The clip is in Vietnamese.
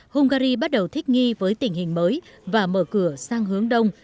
hungary bắt đầu thích nghi với tình hình mới và mở cửa sang hướng đông